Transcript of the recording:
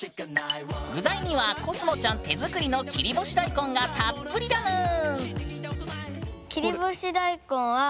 具材にはこすもちゃん手作りの切り干し大根がたっぷりだぬん。